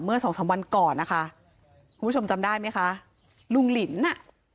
สองสามวันก่อนนะคะคุณผู้ชมจำได้ไหมคะลุงหลินอ่ะ